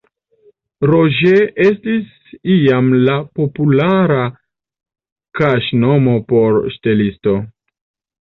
Roger estis iam la populara kaŝnomo por ŝtelisto.